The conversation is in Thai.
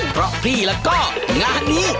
เพราะพี่แล้วก็งานนี้